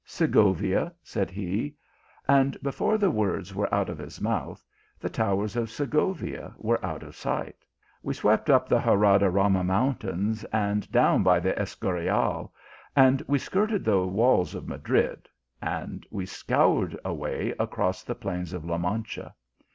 " Segovia, said he; and before the words were out of his mouth, the towers of Segovia were out of sight. We swept up the Guadarama mountains, and down by the Escurial ; and we skirted the walls of Madrid, and we scoured away across the plains ol La Mancha.